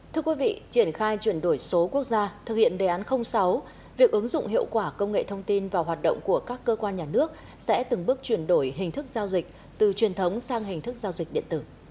thưa quý vị triển khai chuyển đổi số quốc gia thực hiện đề án sáu việc ứng dụng hiệu quả công nghệ thông tin và hoạt động của các cơ quan nhà nước sẽ từng bước chuyển đổi hình thức giao dịch từ truyền thống sang hình thức giao dịch điện tử